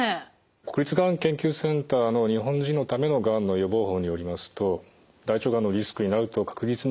国立がん研究センターの「日本人のためのがん予防法」によりますと大腸がんのリスクになると確実に言えるのがですね